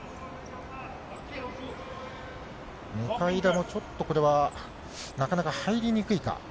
向田もちょっとこれは、なかなか入りにくいか。